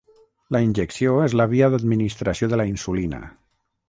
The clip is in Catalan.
La injecció és la via d'administració de la insulina.